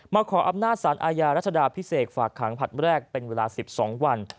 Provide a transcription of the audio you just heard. มาขออำนาจสารอายารัฐธรรมพิเศษฝากขังพัดแรกเป็นเวลาสิบสองวัน